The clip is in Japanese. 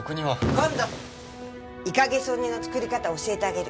今度イカゲソ煮の作り方教えてあげる。